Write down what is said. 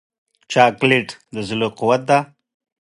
چاکلېټ د زړه قوت دی.